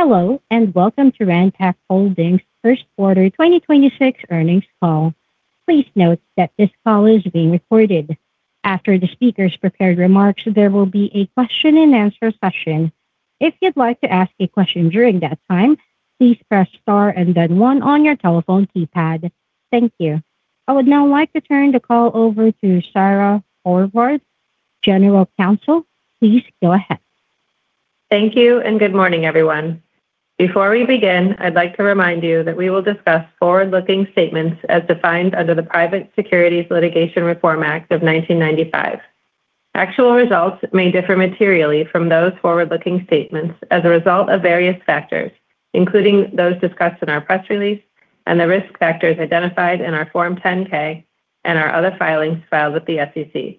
Hello, and welcome to Ranpak Holdings first quarter 2026 earnings call. Please note that this call is being recorded. After the speakers' prepared remarks there will be a question and answer session. If you'd like to ask a question during that time, please press star and then one on your telephone keypad. Thank you. I would now like to turn the call over to Sara Horvath, General Counsel. Please go ahead. Thank you, and good morning, everyone. Before we begin, I'd like to remind you that we will discuss forward-looking statements as defined under the Private Securities Litigation Reform Act of 1995. Actual results may differ materially from those forward-looking statements as a result of various factors, including those discussed in our press release and the risk factors identified in our Form 10-K and our other filings filed with the SEC.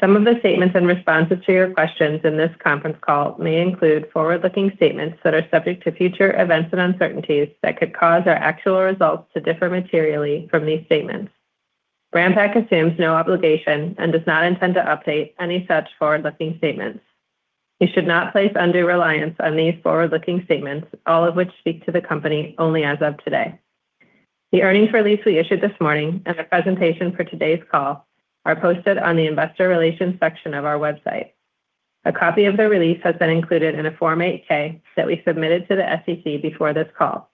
Some of the statements in responses to your questions in this conference call may include forward-looking statements that are subject to future events and uncertainties that could cause our actual results to differ materially from these statements. Ranpak assumes no obligation and does not intend to update any such forward-looking statements. You should not place undue reliance on these forward-looking statements, all of which speak to the company only as of today. The earnings release we issued this morning and the presentation for today's call are posted on the investor relations section of our website. A copy of the release has been included in a Form 8-K that we submitted to the SEC before this call.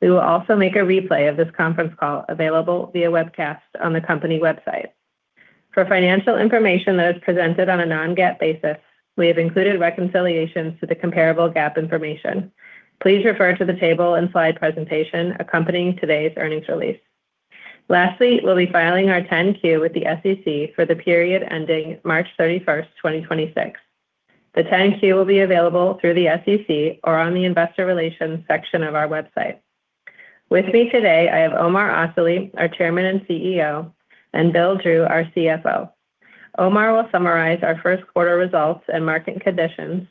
We will also make a replay of this conference call available via webcast on the company website. For financial information that is presented on a non-GAAP basis, we have included reconciliations to the comparable GAAP information. Please refer to the table and slide presentation accompanying today's earnings release. Lastly, we'll be filing our 10-Q with the SEC for the period ending March 31st, 2026. The 10-Q will be available through the SEC or on the investor relations section of our website. With me today, I have Omar Asali, our Chairman and CEO, and Bill Drew, our CFO. Omar will summarize our first quarter results and market conditions.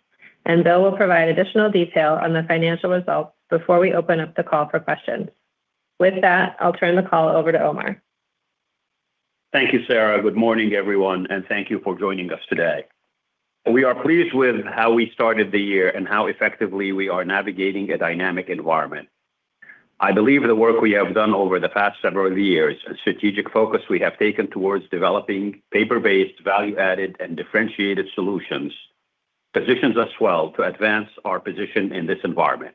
Bill will provide additional detail on the financial results before we open up the call for questions. With that, I'll turn the call over to Omar. Thank you, Sara. Good morning everyone, and thank you for joining us today. We are pleased with how we started the year and how effectively we are navigating a dynamic environment. I believe the work we have done over the past several years and strategic focus we have taken towards developing paper-based, value-added, and differentiated solutions positions us well to advance our position in this environment.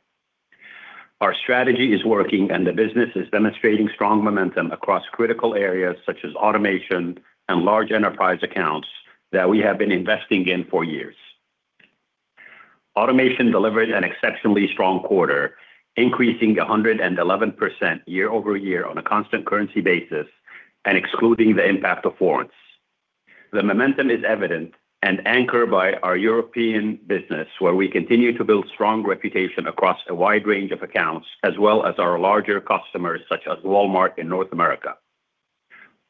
Our strategy is working, and the business is demonstrating strong momentum across critical areas such as automation and large enterprise accounts that we have been investing in for years. Automation delivered an exceptionally strong quarter, increasing 111% year-over-year on a constant currency basis and excluding the impact of foreign exchange. The momentum is evident and anchored by our European business, where we continue to build strong reputation across a wide range of accounts, as well as our larger customers such as Walmart in North America.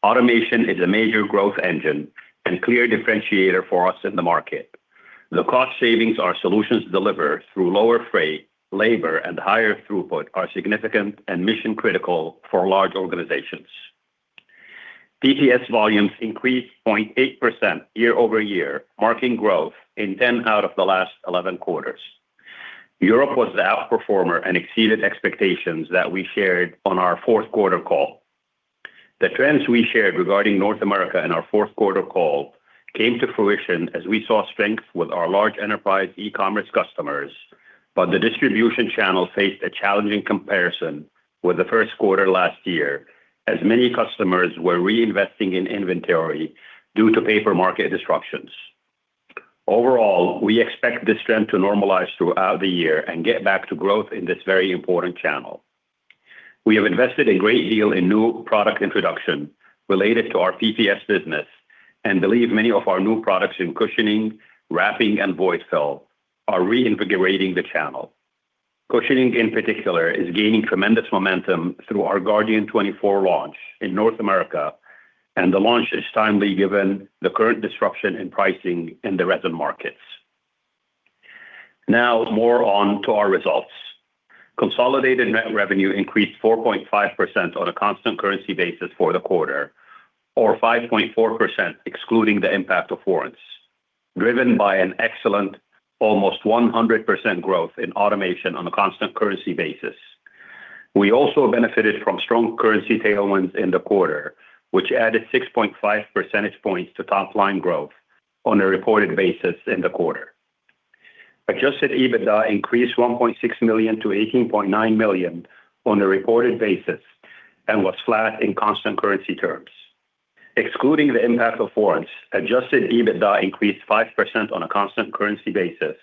Automation is a major growth engine and clear differentiator for us in the market. The cost savings our solutions deliver through lower freight, labor and higher throughput are significant and mission-critical for large organizations. PPS volumes increased 0.8% year-over-year, marking growth in 10 out of the last 11 quarters. Europe was the outperformer and exceeded expectations that we shared on our fourth quartero call. The trends we shared regarding North America in our fourth quarter call came to fruition as we saw strength with our large enterprise e-commerce customers. The distribution channel faced a challenging comparison with the first quarter last year, as many customers were reinvesting in inventory due to paper market disruptions. Overall, we expect this trend to normalize throughout the year and get back to growth in this very important channel. We have invested a great deal in new product introduction related to our PPS business and believe many of our new products in cushioning, wrapping, and void fill are reinvigorating the channel. Cushioning in particular is gaining tremendous momentum through our Guardian 24 launch in North America, and the launch is timely given the current disruption in pricing in the resin markets. Now more on to our results. Consolidated net revenue increased 4.5% on a constant currency basis for the quarter or 5.4%, excluding the impact of foreign exchange, driven by an excellent almost 100% growth in automation on a constant currency basis. We also benefited from strong currency tailwinds in the quarter, which added 6.5 percentage points to top-line growth on a reported basis in the quarter. Adjusted EBITDA increased $1.6 million to $18.9 million on a reported basis and was flat in constant currency terms. Excluding the impact of foreign exchange, Adjusted EBITDA increased 5% on a constant currency basis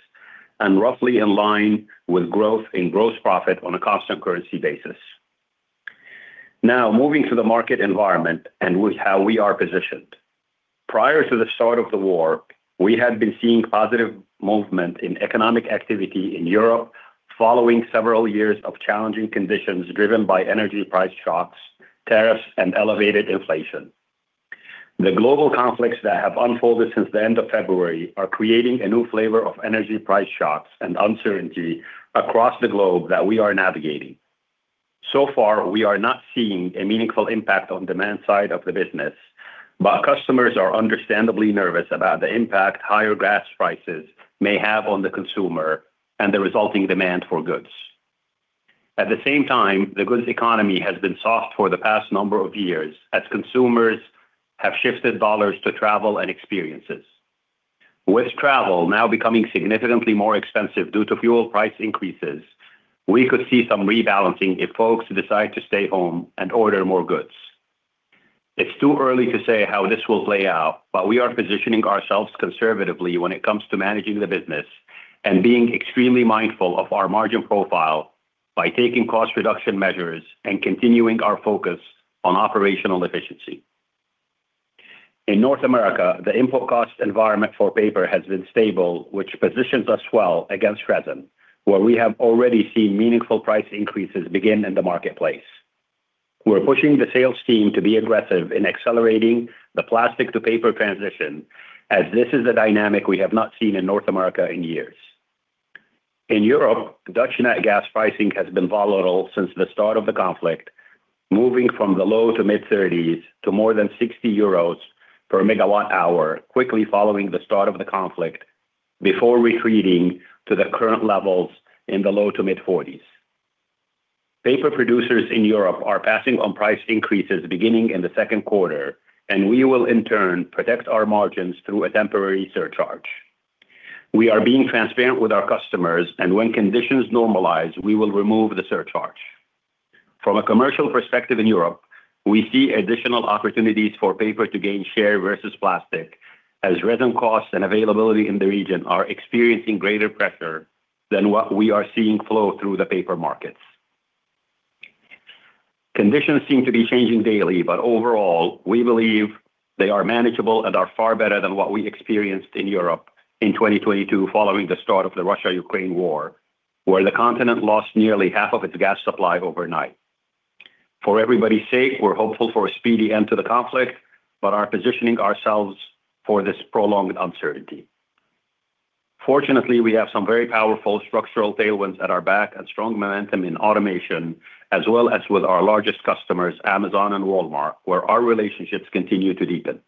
and roughly in line with growth in gross profit on a constant currency basis. Moving to the market environment and with how we are positioned. Prior to the start of the war, we had been seeing positive movement in economic activity in Europe following several years of challenging conditions driven by energy price shocks, tariffs, and elevated inflation. The global conflicts that have unfolded since the end of February are creating a new flavor of energy price shocks and uncertainty across the globe that we are navigating. So far, we are not seeing a meaningful impact on demand side of the business, but customers are understandably nervous about the impact higher gas prices may have on the consumer and the resulting demand for goods. At the same time, the goods economy has been soft for the past number of years as consumers have shifted dollars to travel and experiences. With travel now becoming significantly more expensive due to fuel price increases, we could see some rebalancing if folks decide to stay home and order more goods. It's too early to say how this will play out, but we are positioning ourselves conservatively when it comes to managing the business and being extremely mindful of our margin profile by taking cost reduction measures and continuing our focus on operational efficiency. In North America, the input cost environment for paper has been stable, which positions us well against resin, where we have already seen meaningful price increases begin in the marketplace. We're pushing the sales team to be aggressive in accelerating the plastic to paper transition, as this is a dynamic we have not seen in North America in years. In Europe, Dutch TTF gas pricing has been volatile since the start of the conflict, moving from the low to mid-30s to more than 60 euros per megawatt hour, quickly following the start of the conflict, before retreating to the current levels in the low to mid-40s. Paper producers in Europe are passing on price increases beginning in the second quarter, and we will in turn protect our margins through a temporary surcharge. We are being transparent with our customers, and when conditions normalize, we will remove the surcharge. From a commercial perspective in Europe, we see additional opportunities for paper to gain share versus plastic, as resin costs and availability in the region are experiencing greater pressure than what we are seeing flow through the paper markets. Conditions seem to be changing daily but overall, we believe they are manageable and are far better than what we experienced in Europe in 2022 following the start of the Russia-Ukraine war, where the continent lost nearly half of its gas supply overnight. For everybody's sake, we're hopeful for a speedy end to the conflict, but are positioning ourselves for this prolonged uncertainty. Fortunately, we have some very powerful structural tailwinds at our back and strong momentum in automation, as well as with our largest customers, Amazon and Walmart, where our relationships continue to deepen.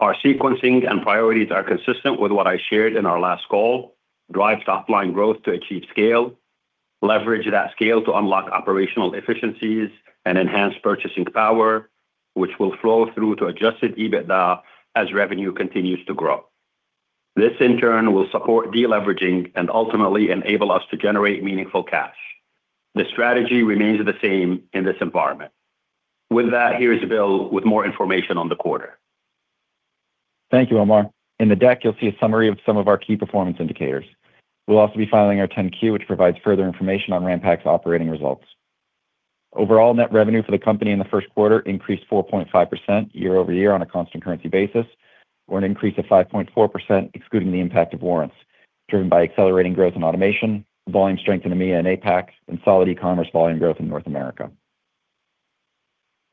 Our sequencing and priorities are consistent with what I shared in our last call: drive top line growth to achieve scale, leverage that scale to unlock operational efficiencies and enhance purchasing power, which will flow through to Adjusted EBITDA as revenue continues to grow. This in turn will support deleveraging and ultimately enable us to generate meaningful cash. The strategy remains the same in this environment. With that, here's Bill with more information on the quarter. Thank you, Omar. In the deck, you'll see a summary of some of our key performance indicators. We'll also be filing our 10-Q, which provides further information on Ranpak's operating results. Overall net revenue for the company in the first quarter increased 4.5% year-over-year on a constant currency basis, or an increase of 5.4% excluding the impact of warrants, driven by accelerating growth in automation volume strength in EMEA and APAC, and solid e-commerce volume growth in North America.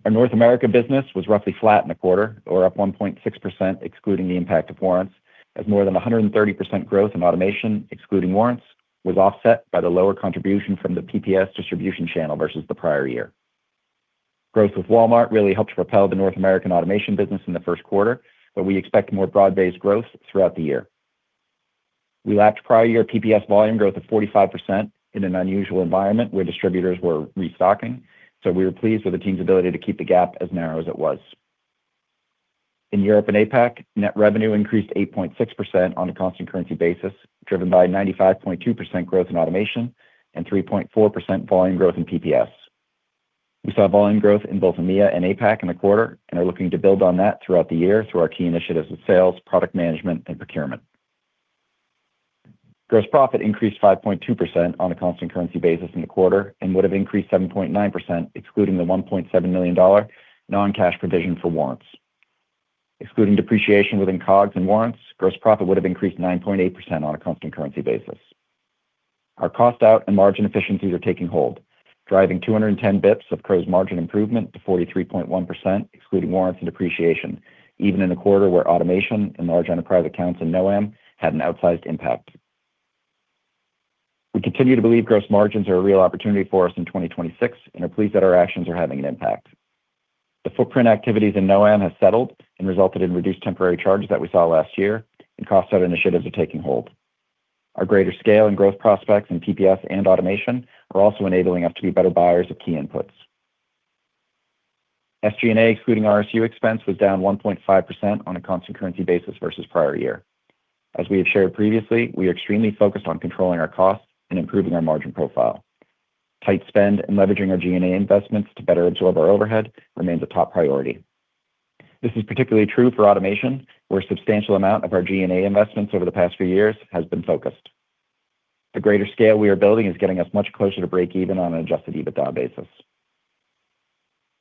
Our North America business was roughly flat in the quarter or up 1.6% excluding the impact of warrants, as more than 130% growth in automation, excluding warrants, was offset by the lower contribution from the PPS distribution channel versus the prior year. Growth with Walmart really helped propel the North American automation business in the first quarter, but we expect more broad-based growth throughout the year. We lapped prior year PPS volume growth of 45% in an unusual environment where distributors were restocking, so we were pleased with the team's ability to keep the gap as narrow as it was. In Europe and APAC, net revenue increased 8.6% on a constant currency basis, driven by 95.2% growth in automation and 3.4% volume growth in PPS. We saw volume growth in both EMEA and APAC in the quarter and are looking to build on that throughout the year through our key initiatives with sales, product management, and procurement. Gross profit increased 5.2% on a constant currency basis in the quarter and would have increased 7.9% excluding the $1.7 million non-cash provision for warrants. Excluding depreciation within COGS and warrants, gross profit would have increased 9.8% on a constant currency basis. Our cost out and margin efficiencies are taking hold, driving 210 basis points of gross margin improvement to 43.1%, excluding warrants and depreciation, even in a quarter where automation and large enterprise accounts in NOAM had an outsized impact. We continue to believe gross margins are a real opportunity for us in 2026 and are pleased that our actions are having an impact. The footprint activities in NOAM have settled and resulted in reduced temporary charges that we saw last year and cost out initiatives are taking hold. Our greater scale and growth prospects in PPS and automation are also enabling us to be better buyers of key inputs. SG&A, excluding RSU expense, was down 1.5% on a constant currency basis versus prior year. As we have shared previously, we are extremely focused on controlling our costs and improving our margin profile. Tight spend and leveraging our G&A investments to better absorb our overhead remains a top priority. This is particularly true for automation, where a substantial amount of our G&A investments over the past few years has been focused. The greater scale we are building is getting us much closer to break even on an Adjusted EBITDA basis.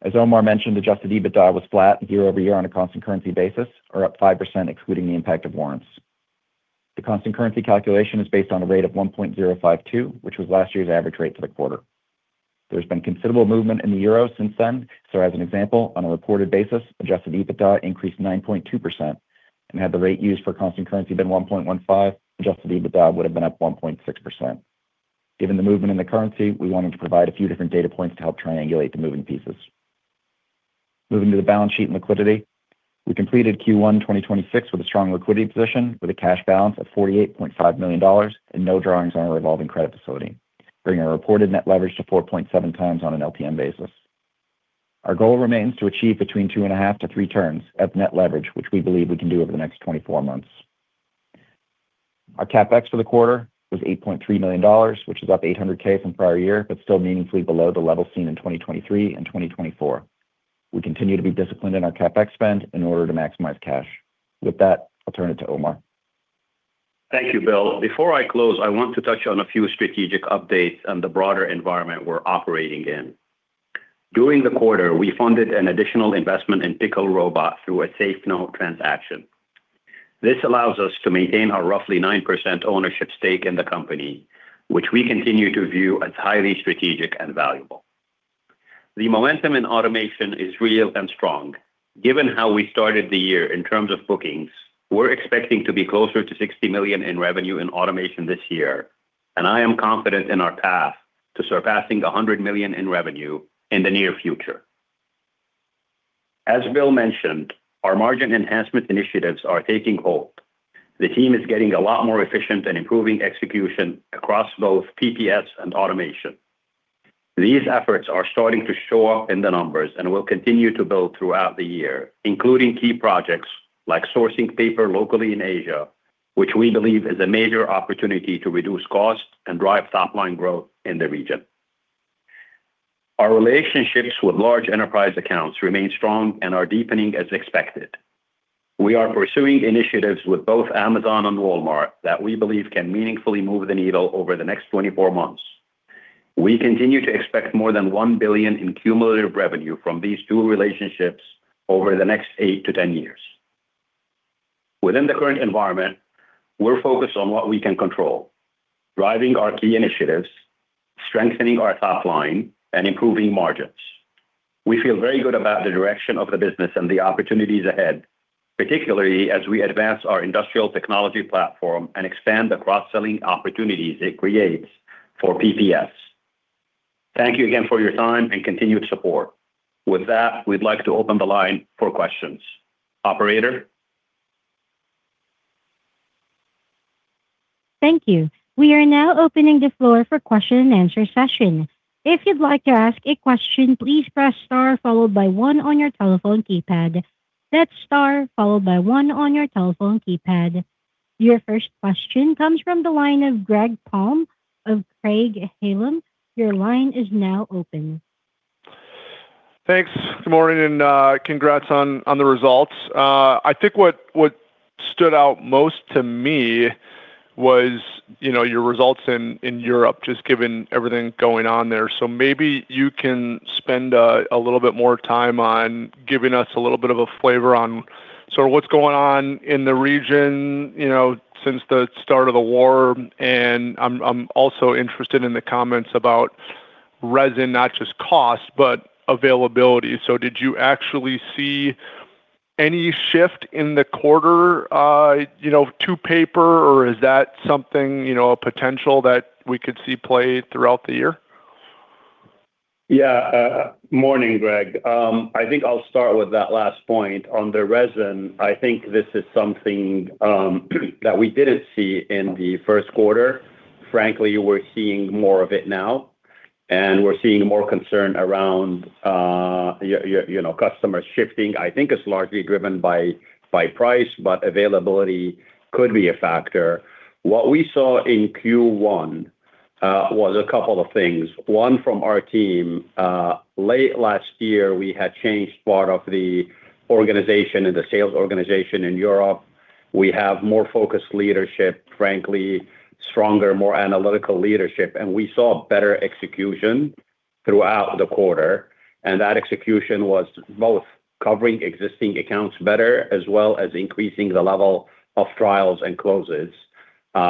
As Omar mentioned, Adjusted EBITDA was flat year-over-year on a constant currency basis, or up 5% excluding the impact of warrants. The constant currency calculation is based on a rate of 1.052, which was last year's average rate for the quarter. There's been considerable movement in the euro since then. As an example, on a reported basis, Adjusted EBITDA increased 9.2%, and had the rate used for constant currency been 1.15, Adjusted EBITDA would have been up 1.6%. Given the movement in the currency, we wanted to provide a few different data points to help triangulate the moving pieces. Moving to the balance sheet and liquidity. We completed Q1 2026 with a strong liquidity position with a cash balance of $48.5 million and no drawings on our revolving credit facility, bringing our reported net leverage to 4.7 times on an LTM basis. Our goal remains to achieve between 2.5 To 3 turns at net leverage, which we believe we can do over the next 24 months. Our CapEx for the quarter was $8.3 million, which is up $800K from prior year, but still meaningfully below the level seen in 2023 and 2024. We continue to be disciplined in our CapEx spend in order to maximize cash. With that, I'll turn it to Omar. Thank you, Bill. Before I close, I want to touch on a few strategic updates on the broader environment we're operating in. During the quarter, we funded an additional investment in Pickle Robot through a SAFE note transaction. This allows us to maintain our roughly 9% ownership stake in the company, which we continue to view as highly strategic and valuable. The momentum in automation is real and strong. Given how we started the year in terms of bookings, we're expecting to be closer to $60 million in revenue in automation this year, and I am confident in our path to surpassing $100 million in revenue in the near future. As Bill mentioned, our margin enhancement initiatives are taking hold. The team is getting a lot more efficient and improving execution across both PPS and automation. These efforts are starting to show up in the numbers and will continue to build throughout the year, including key projects like sourcing paper locally in Asia, which we believe is a major opportunity to reduce costs and drive top line growth in the region. Our relationships with large enterprise accounts remain strong and are deepening as expected. We are pursuing initiatives with both Amazon and Walmart that we believe can meaningfully move the needle over the next 24 months. We continue to expect more than $1 billion in cumulative revenue from these two relationships over the next 8-10 years. Within the current environment, we're focused on what we can control, driving our key initiatives, strengthening our top line, and improving margins. We feel very good about the direction of the business and the opportunities ahead, particularly as we advance our industrial technology platform and expand the cross-selling opportunities it creates for PPS. Thank you again for your time and continued support. With that, we'd like to open the line for questions. Operator? Thank you. We are now opening the floor for question and answer session. If you'd like to ask a question, please press star followed by one on your telephone keypad. That's star followed by one on your telephone keypad. Your first question comes from the line of Greg Palm of Craig-Hallum. Your line is now open. Thanks. Good morning and congrats on the results. I think what stood out most to me was, you know, your results in Europe, just given everything going on there. Maybe you can spend a little bit more time on giving us a little bit of a flavor on sort of what's going on in the region, you know, since the start of the war. I'm also interested in the comments about resin, not just cost, but availability. Did you actually see any shift in the quarter, you know, to paper, or is that something, you know, a potential that we could see play throughout the year? Yeah. Morning, Greg. I think I'll start with that last point. On the resin, I think this is something that we didn't see in the first quarter. Frankly, we're seeing more of it now, we're seeing more concern around, you know, customers shifting. I think it's largely driven by price, availability could be a factor. What we saw in Q1 was a couple of things. One from our team. Late last year, we had changed part of the organization and the sales organization in Europe. We have more focused leadership, frankly, stronger, more analytical leadership, we saw better execution throughout the quarter. That execution was both covering existing accounts better, as well as increasing the level of trials and closes,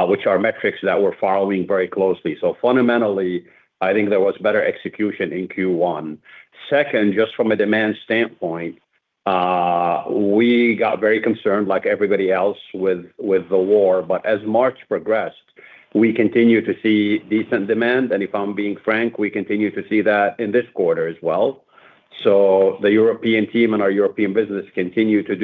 which are metrics that we're following very closely. Fundamentally, I think there was better execution in Q1. Second, just from a demand standpoint, we got very concerned like everybody else with the war. As March progressed, we continue to see decent demand and if I'm being frank, we continue to see that in this quarter as well. The European team and our European business continue to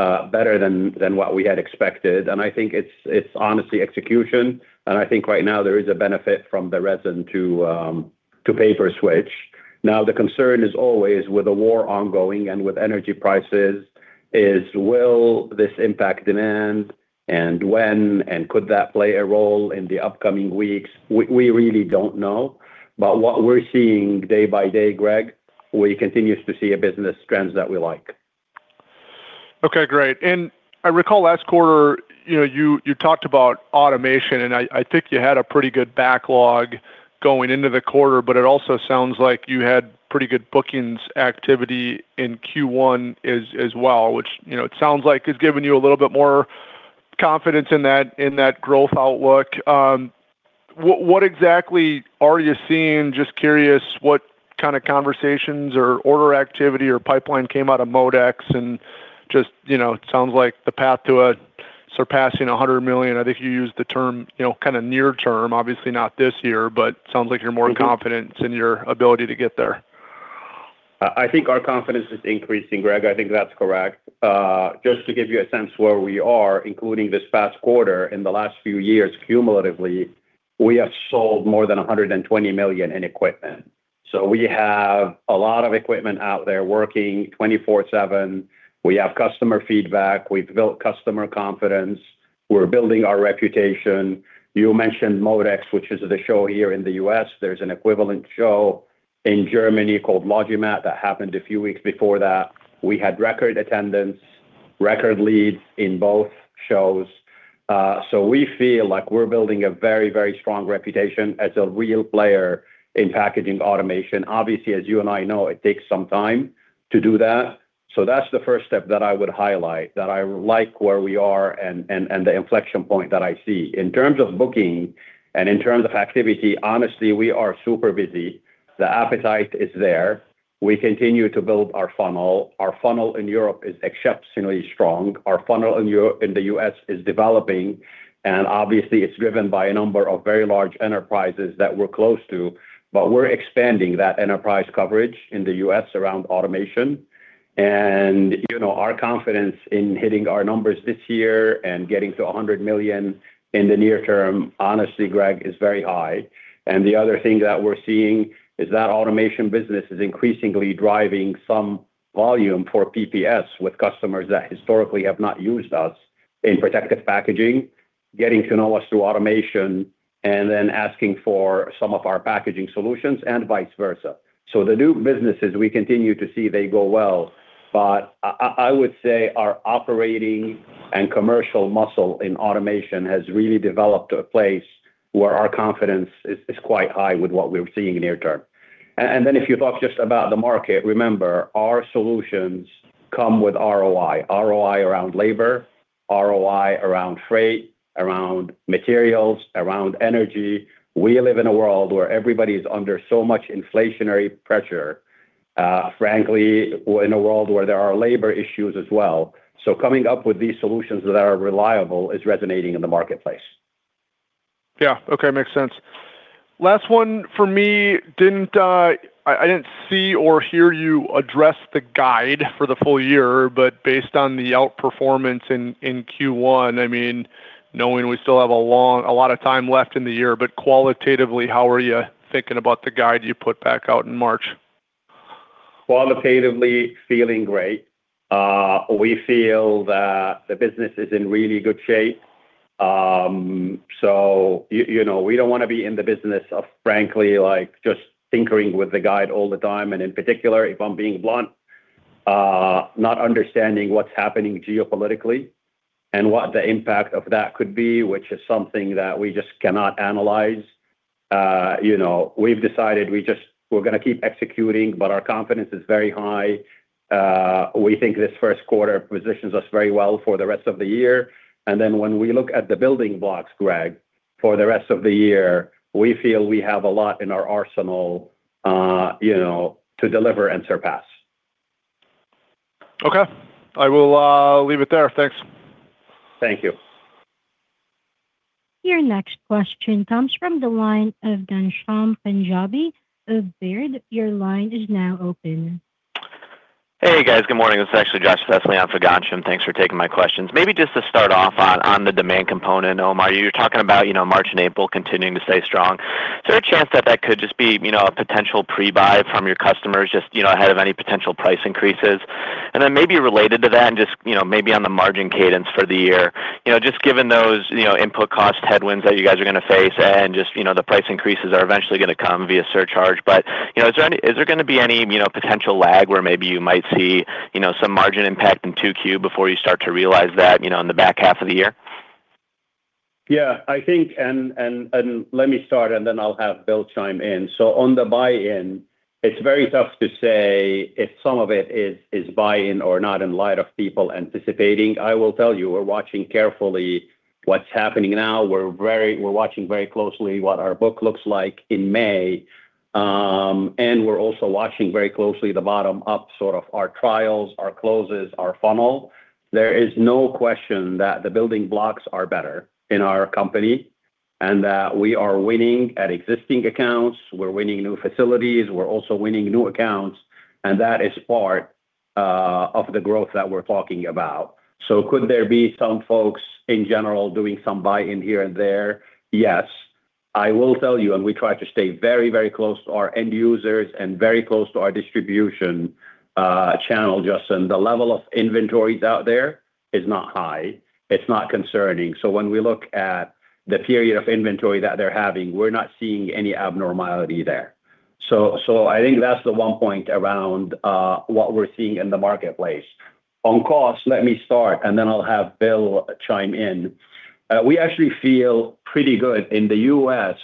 do better than what we had expected. And I think it's honestly execution, and I think right now there is a benefit from the resin to paper switch. The concern is always with the war ongoing and with energy prices is will this impact demand and when, and could that play a role in the upcoming weeks? We, we really don't know. What we're seeing day by day, Greg, we continue to see a business trends that we like. Okay, great. I recall last quarter, you know, you talked about automation, and I think you had a pretty good backlog going into the quarter, it also sounds like you had pretty good bookings activity in Q1 as well, which, you know, it sounds like has given you a little bit more confidence in that growth outlook. What exactly are you seeing? Just curious what kinda conversations or order activity or pipeline came out of MODEX, you know, it sounds like the path to surpassing 100 million, I think you used the term, you know, kinda near term obviously not this year, but sounds like you're more confident in your ability to get there. I think our confidence is increasing, Greg. I think that's correct. Just to give you a sense where we are, including this past quarter in the last few years, cumulatively, we have sold more than $120 million in equipment. We have a lot of equipment out there working 24/7. We have customer feedback. We've built customer confidence. We're building our reputation. You mentioned MODEX, which is the show here in the U.S. There's an equivalent show in Germany called LogiMAT that happened a few weeks before that. We had record attendance, record leads in both shows. We feel like we're building a very, very strong reputation as a real player in packaging automation. Obviously, as you and I know, it takes some time to do that's the first step that I would highlight, that I like where we are and the inflection point that I see. In terms of booking and in terms of activity, honestly, we are super busy. The appetite is there. We continue to build our funnel. Our funnel in Europe is exceptionally strong. Our funnel in the U.S. is developing, and obviously, it's driven by a number of very large enterprises that we're close to, but we're expanding that enterprise coverage in the U.S. around automation. You know, our confidence in hitting our numbers this year and getting to $100 million in the near term honestly Greg, is very high. The other thing that we're seeing is that automation business is increasingly driving some volume for PPS with customers that historically have not used us in protective packaging, getting to know us through automation, and then asking for some of our packaging solutions and vice versa. The new businesses we continue to see, they go well. I, I would say our operating and commercial muscle in automation has really developed a place where our confidence is quite high with what we're seeing near term. If you talk just about the market, remember, our solutions come with ROI. ROI around labor, ROI around freight, around materials, around energy. We live in a world where everybody is under so much inflationary pressure, frankly, in a world where there are labor issues as well. Coming up with these solutions that are reliable is resonating in the marketplace. Yeah. Okay, makes sense. Last one from me. I didn't see or hear you address the guide for the full year. Based on the outperformance in Q1, I mean, knowing we still have a lot of time left in the year, qualitatively, how are you thinking about the guide you put back out in March? Qualitatively, feeling great. We feel that the business is in really good shape. You know, we don't wanna be in the business of frankly, like, just tinkering with the guide all the time, and in particular, if I'm being blunt not understanding what's happening geopolitically and what the impact of that could be, which is something that we just cannot analyze. You know, we've decided we're gonna keep executing our confidence is very high. We think this first quarter positions us very well for the rest of the year. When we look at the building blocks, Greg, for the rest of the year, we feel we have a lot in our arsenal, you know, to deliver and surpass. Okay. I will leave it there. Thanks. Thank you. Your next question comes from the line of Ghansham Panjabi of Baird. Your line is now open. Hey, guys. Good morning. This is actually Justin Prichard for Ghansham. Thanks for taking my questions. Maybe just to start off on the demand component, Omar, you're talking about, you know, March and April continuing to stay strong. Is there a chance that that could just be, you know, a potential pre-buy from your customers just, you know, ahead of any potential price increases? Maybe related to that and just, you know, maybe on the margin cadence for the year. Just given those, you know, input cost headwinds that you guys are gonna face and just, you know, the price increases are eventually gonna come via surcharge. Is there any Is there gonna be any, you know, potential lag where maybe you might see, you know, some margin impact in 2Q before you start to realize that, you know, in the back half of the year? Let me start, and then I'll have Bill chime in. On the buy-in, it's very tough to say if some of it is buy-in or not in light of people anticipating. I will tell you, we're watching carefully what's happening now. We're watching very closely what our book looks like in May. We're also watching very closely the bottom up, sort of our trials, our closes, our funnel. There is no question that the building blocks are better in our company and that we are winning at existing accounts, we're winning new facilities, we're also winning new accounts, and that is part of the growth that we're talking about. Could there be some folks in general doing some buy-in here and there? Yes. I will tell you, we try to stay very, very close to our end users and very close to our distribution channel, Justin. The level of inventories out there is not high. It's not concerning. When we look at the period of inventory that they're having, we're not seeing any abnormality there. I think that's the one point around what we're seeing in the marketplace. On cost, let me start, then I'll have Bill chime in. We actually feel pretty good. In the U.S.,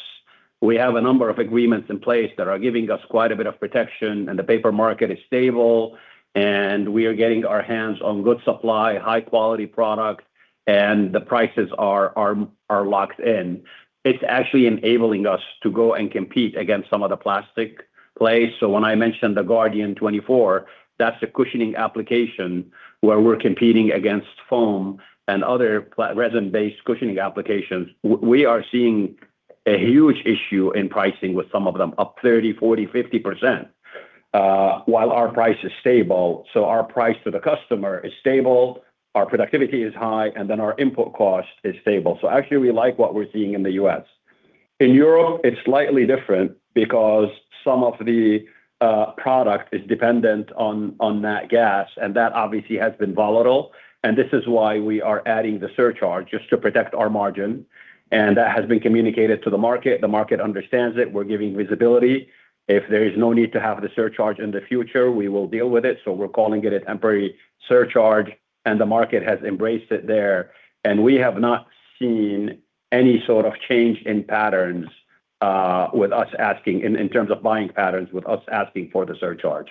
we have a number of agreements in place that are giving us quite a bit of protection, and the paper market is stable, and we are getting our hands on good supply, high quality product, and the prices are locked in. It's actually enabling us to go and compete against some of the plastic plays. When I mentioned the Guardian24, that's a cushioning application where we're competing against foam and other resin-based cushioning applications. A huge issue in pricing with some of them up 30%, 40%, 50%, while our price is stable. Our price to the customer is stable, our productivity is high, and then our input cost is stable. Actually we like what we're seeing in the U.S. In Europe, it's slightly different because some of the product is dependent on nat gas, and that obviously has been volatile. This is why we are adding the surcharge just to protect our margin, and that has been communicated to the market. The market understands it. We're giving visibility. If there is no need to have the surcharge in the future, we will deal with it. We're calling it a temporary surcharge, and the market has embraced it there. We have not seen any sort of change in patterns in terms of buying patterns with us asking for the surcharge.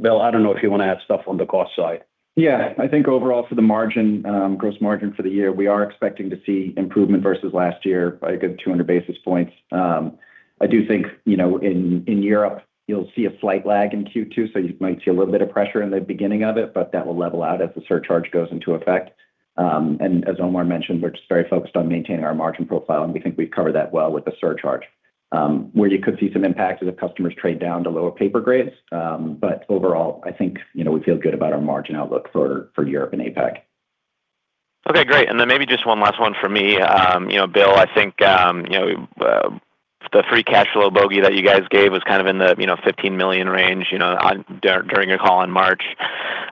Bill, I don't know if you wanna add stuff on the cost side. I think overall for the margin, gross margin for the year, we are expecting to see improvement versus last year by a good 200 basis points. I do think, you know, in Europe, you'll see a slight lag in Q2, so you might see a little bit of pressure in the beginning of it, but that will level out as the surcharge goes into effect. And as Omar mentioned, we're just very focused on maintaining our margin profile, and we think we've covered that well with the surcharge. Where you could see some impact is if customers trade down to lower paper grades. Overall, I think, you know, we feel good about our margin outlook for Europe and APAC. Okay, great. Maybe just one last one for me. You know, Bill, I think, you know, the free cash flow bogey that you guys gave was kind of in the, you know, $15 million range, you know, during your call in March.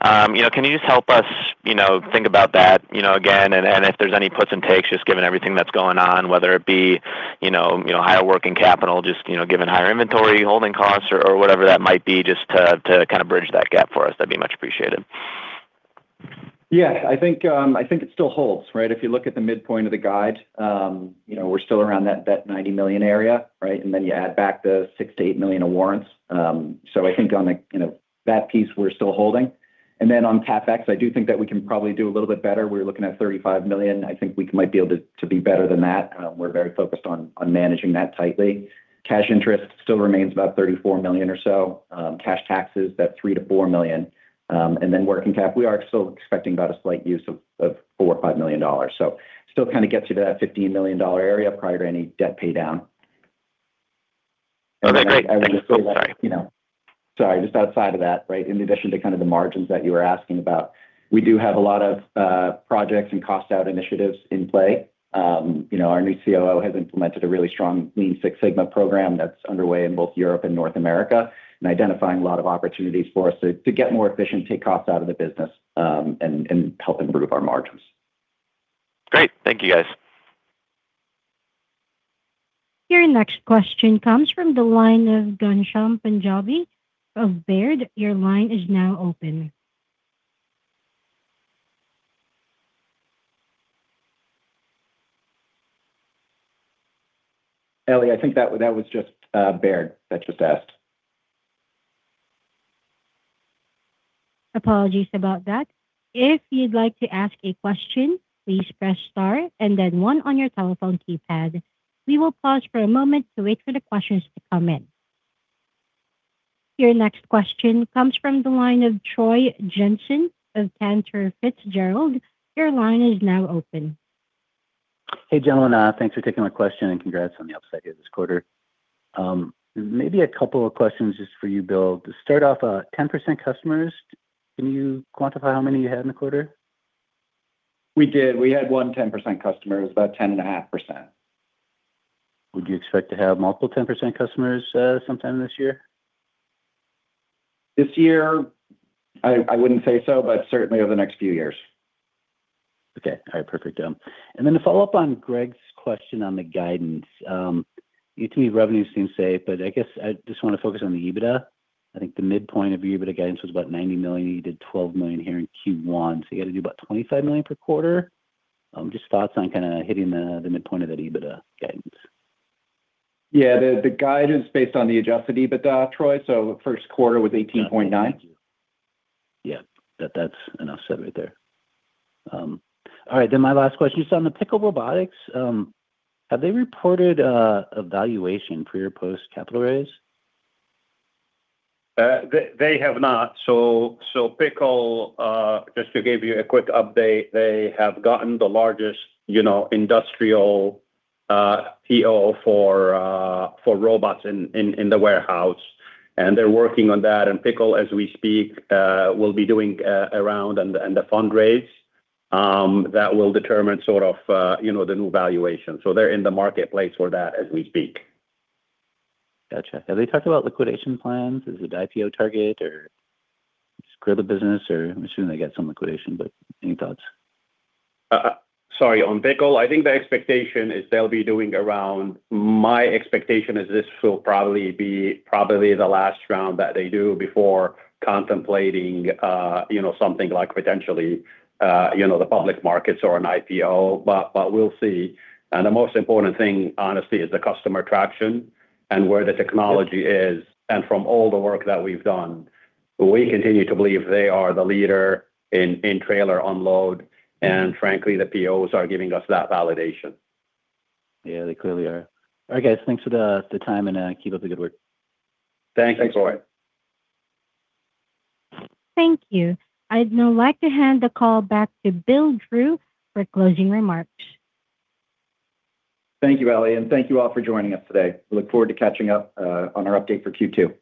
You know, can you just help us, you know, think about that, you know, again, and if there's any puts and takes just given everything that's going on, whether it be, you know, higher working capital just, you know, given higher inventory holding costs or whatever that might be just to kind of bridge that gap for us. That'd be much appreciated. Yeah. I think, I think it still holds, right? If you look at the midpoint of the guide, you know, we're still around that about $90 million area, right? You add back the $60 million of warrants. I think on the, you know, that piece we're still holding. On CapEx, I do think that we can probably do a little bit better. We're looking at $35 million. I think we might be able to be better than that. We're very focused on managing that tightly. Cash interest still remains about $34 million or so. Cash taxes, that $3 million-$4 million. Working cap, we are still expecting about a slight use of $4 million-$5 million. still kinda gets you to that $15 million area prior to any debt pay down. Okay, great. Thank you. Sorry. You know. Sorry, just outside of that, right? In addition to kind of the margins that you were asking about, we do have a lot of projects and cost out initiatives in play. You know, our new COO has implemented a really strong Lean Six Sigma program that's underway in both Europe and North America, and identifying a lot of opportunities for us to get more efficient take costs out of the business and help improve our margins. Great. Thank you, guys. Your next question comes from the line of Ghansham Panjabi of Baird. Your line is now open. Ellie, I think that was just Baird that just asked. Apologies about that. If you'd like to ask a question, please press star and then one on your telephone keypad. We will pause for a moment to wait for the questions to come in. Your next question comes from the line of Troy Jensen of Cantor Fitzgerald. Your line is now open. Hey, gentlemen. Thanks for taking my question, and congrats on the upside here this quarter. Maybe a couple of questions just for you, Bill. To start off, 10% customers, can you quantify how many you had in the quarter? We did. We had one 10% customer. It was about 10.5%. Would you expect to have multiple 10% customers sometime this year? This year, I wouldn't say so, but certainly over the next few years. Okay. All right, perfect. To follow up on Greg's question on the guidance, ETV revenue seems safe, but I guess I just wanna focus on the EBITDA. I think the midpoint of your EBITDA guidance was about $90 million. You did $12 million here in Q1, you gotta do about $25 million per quarter. Just thoughts on kinda hitting the midpoint of that EBITDA guidance. The guidance based on the Adjusted EBITDA, Troy, so first quarter was $18.9. Yeah. That, that's an offset right there. All right, my last question. Just on the Pickle Robot Company, have they reported a valuation pre or post capital raise? They have not. Pickle, just to give you a quick update, they have gotten the largest, you know, industrial PO for robots in the warehouse. They're working on that. Pickle, as we speak, will be doing a round and the fundraise that will determine sort of, you know, the new valuation. They're in the marketplace for that as we speak. Gotcha. Have they talked about liquidation plans? Is it an IPO target or just grow the business or I'm assuming they get some liquidation, but any thoughts? Sorry. On Pickle, I think the expectation is they'll be doing a round. My expectation is this will probably be probably the last round that they do before contemplating, you know, something like potentially, you know, the public markets or an IPO. We'll see. The most important thing honestly is the customer traction and where the technology is. From all the work that we've done, we continue to believe they are the leader in trailer unload, frankly the POs are giving us that validation. Yeah, they clearly are. All right, guys. Thanks for the time and keep up the good work. Thanks. Thanks, Troy. Thank you. I'd now like to hand the call back to Bill Drew for closing remarks. Thank you, Ellie. Thank you all for joining us today. Look forward to catching up on our update for Q2.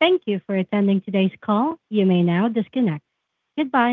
Thank you for attending today's call. You may now disconnect. Goodbye.